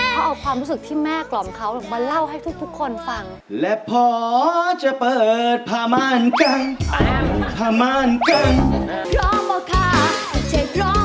เขาเอาความรู้สึกที่แม่กล่อมเขามาเล่าให้ทุกคนฟัง